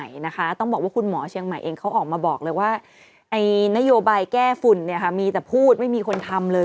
มาบอกเลยว่าไอ้นโยบายแก้ฝุ่นเนี่ยค่ะมีแต่พูดไม่มีคนทำเลย